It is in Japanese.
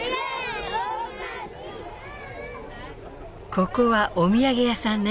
ここはお土産屋さんね。